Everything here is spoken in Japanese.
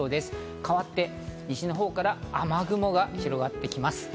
かわって西のほうから雨雲が広がってきます。